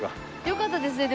よかったですね